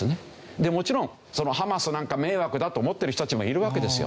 でもちろんハマスなんか迷惑だと思ってる人たちもいるわけですよ。